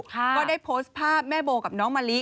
ก็ได้โพสต์ภาพแม่โบกับน้องมะลิ